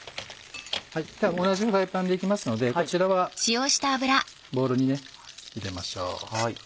同じフライパンでいきますのでこちらはボウルに入れましょう。